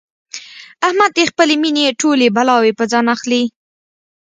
احمد د خپلې مینې ټولې بلاوې په ځان اخلي.